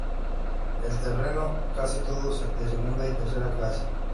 El terreno, casi todo de segunda y tercera clase.